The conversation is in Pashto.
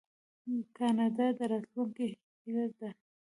کاناډا د راتلونکي هیله ده.